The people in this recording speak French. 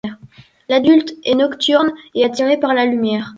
L'adulte est nocturne est attirée par la lumière.